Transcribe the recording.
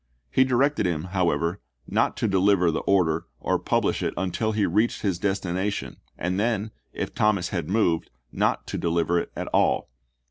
He directed him, however, not to deliver the order or publish it until he reached his desti nation, and then, if Thomas had moved, not to deliver it at all.